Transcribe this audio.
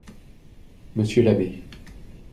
Monsieur l’abbé.